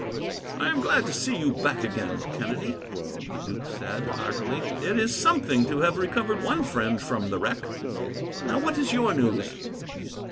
"I am glad to see you back again, Kennedy," the duke said, heartily. "It is something to have recovered one friend from the wreck. Now, what is your news?"